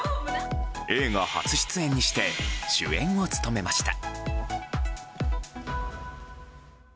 映画初出演にして主演を務めました。